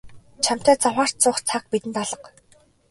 Чамтай заваарч суух цаг бидэнд алга.